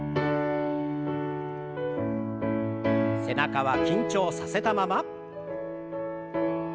背中は緊張させたまま。